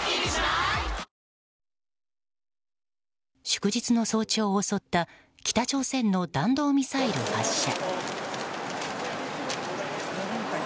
祝日の早朝を襲った北朝鮮の弾道ミサイル発射。